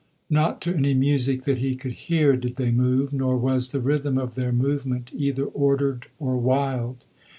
Not to any music that he could hear did they move, nor was the rhythm of their movement either ordered or wild.